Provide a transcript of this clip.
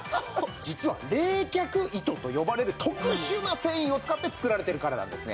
実は冷却糸と呼ばれる特殊な繊維を使って作られてるからなんですね。